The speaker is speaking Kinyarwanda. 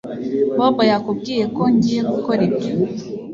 Bobo yakubwiye ko ngiye gukora ibyo